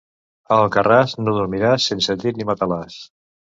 A Alcarràs no dormiràs sense llit ni matalàs.